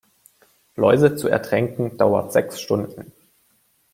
Läuse zu ertränken, dauert sechs Stunden.